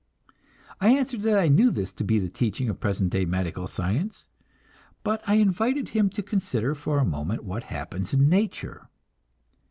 I answered that I knew this to be the teaching of present day medical science, but I invited him to consider for a moment what happens in nature.